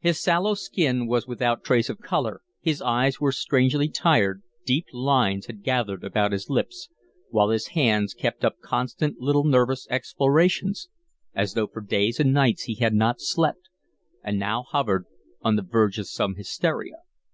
His sallow skin was without trace of color, his eyes were strangely tired, deep lines had gathered about his lips, while his hands kept up constant little nervous explorations as though for days and nights he had not slept and now hovered on the verge of some hysteria.